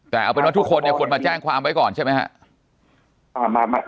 แต่เอาเป็นว่าทุกคนเนี่ยควรมาแจ้งความไว้ก่อนใช่ไหมครับ